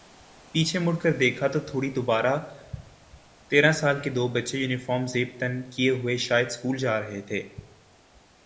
پیچھے مڑ کر دیکھا تو تھوڑی دوربارہ تیرہ سال کے دو بچے یونیفارم زیب تن کئے ہوئے شاید سکول جارہے تھے